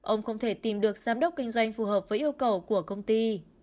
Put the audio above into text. ông không thể tìm được giám đốc kinh doanh phù hợp với yêu cầu của công ty